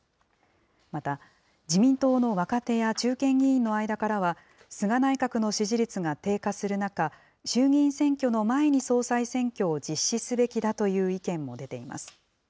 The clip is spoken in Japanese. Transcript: また自民党の若手や中堅議員の間からは、菅内閣の支持率が低下する中、衆議院選挙の前に総裁選挙を実施すべきだという意見も出ています。